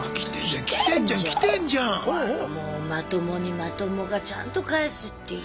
まともにまともがちゃんと返すっていう。